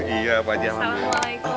iya bang haji